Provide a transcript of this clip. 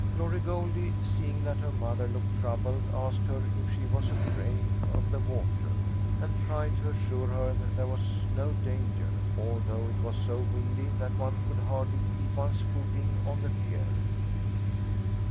Glory Goldie, seeing that her mother looked troubled, asked her if she was afraid of the water, and tried to assure her there was no danger, although it was so windy that one could hardly keep one's footing on the pier.